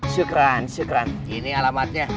syukran syukran ini alamatnya